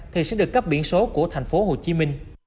thì sẽ được cấp biển số của tp hcm